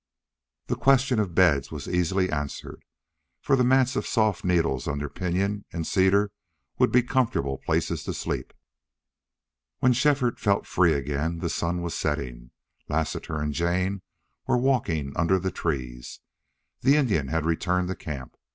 The question of beds was easily answered, for the mats of soft needles under pinyon and cedar would be comfortable places to sleep. When Shefford felt free again the sun was setting. Lassiter and Jane were walking under the trees. The Indian had returned to camp.